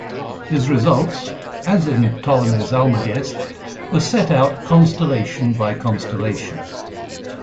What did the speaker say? His results, as in Ptolemy's "Almagest", were set out constellation by constellation.